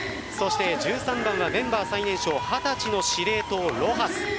１３番はメンバー最年少２０歳の司令塔ロハス。